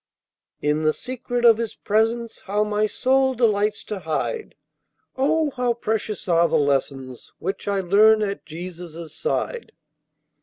"In the secret of His presence how my soul delights to hide! Oh, how precious are the lessons which I learn at Jesus' side!"